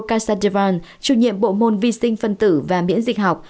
kasavan chủ nhiệm bộ môn vi sinh phân tử và miễn dịch học